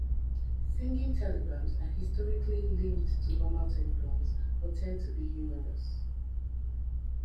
Singing telegrams are historically linked to normal telegrams, but tend to be humorous.